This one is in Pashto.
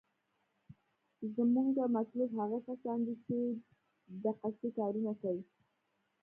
زمونګه مطلوب هغه کسان دي چې دقسې کارونه کيي.